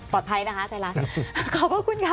ปลอดภัยนะคะไซรัสขอบคุณค่ะ